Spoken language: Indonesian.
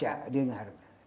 ya bisa didengar